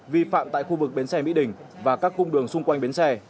vi phạm tại khu vực bến xe mỹ đình và các cung đường xung quanh bến xe